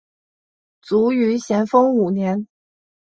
卒于咸丰五年。